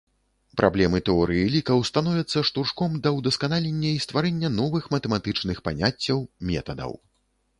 Праблемы тэорыі лікаў становяцца штуршком да ўдасканалення і стварэння новых матэматычных паняццяў, метадаў.